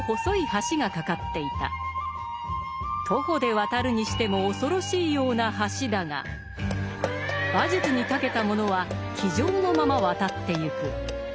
徒歩で渡るにしても恐ろしいような橋だが馬術にたけた者は騎乗のまま渡ってゆく。